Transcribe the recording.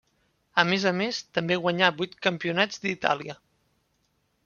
A més a més, també guanyà vuit Campionats d'Itàlia.